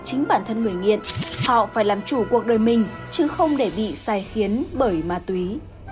để không bắn bản thân người nghiện họ phải làm chủ cuộc đời mình chứ không để bị sai khiến bởi ma túy